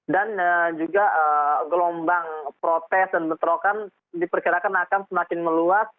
dan juga gelombang protes dan betrokan diperkirakan akan semakin meluas